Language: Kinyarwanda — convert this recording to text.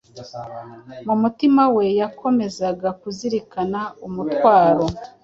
mu mutima we yakomezaga kuzirikana umutwaro